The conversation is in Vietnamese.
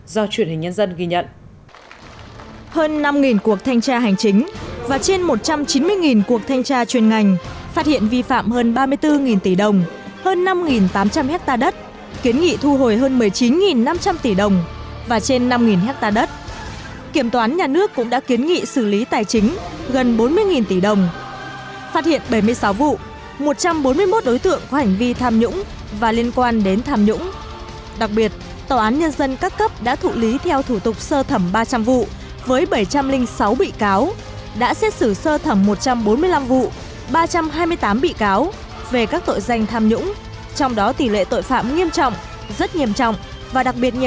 do truyền hình nhân dân ghi nhận